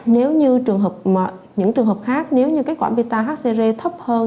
nếu như những trường hợp khác nếu như kết quả beta hcre thấp hơn